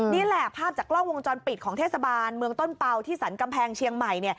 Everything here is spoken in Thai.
นี่แหละภาพจากกล้องวงจรปิดของเทศบาลเมืองต้นเป่าที่สรรกำแพงเชียงใหม่